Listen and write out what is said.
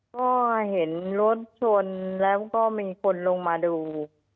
ก็เห็นรถชนแล้วก็มีคนลงมาดู